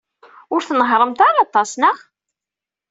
Ur tnehhṛemt ara aṭas, naɣ?